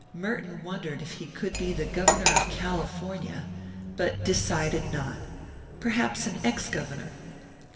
Merton wondered if he could be the governor of California, but decided not. Perhaps an ex governor.